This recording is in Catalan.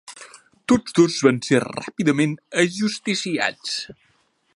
Tots dos van ser ràpidament ajusticiats.